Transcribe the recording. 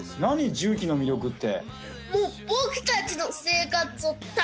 重機の魅力って。